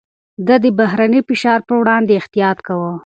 ده د بهرني فشار پر وړاندې احتياط کاوه.